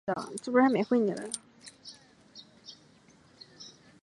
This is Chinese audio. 阿雷亚德巴拉乌纳斯是巴西帕拉伊巴州的一个市镇。